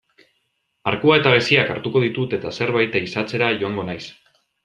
Arkua eta geziak hartuko ditut eta zerbait ehizatzera joango naiz.